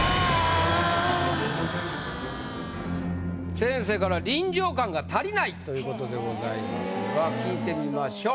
先生から「臨場感が足りない」という事でございますが聞いてみましょう。